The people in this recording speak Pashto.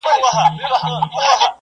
پر مځکي باندي د ګلانو بوټي کښېنوئ.